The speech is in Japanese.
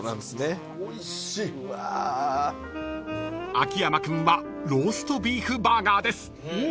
［秋山君はローストビーフバーガーです］